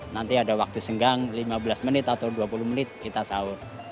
nanti ada waktu senggang lima belas menit atau dua puluh menit kita sahur